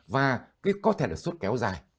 và có thể là sốt kéo dài